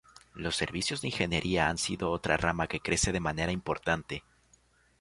Los servicios de Ingeniería han sido otra rama que crece de manera importante.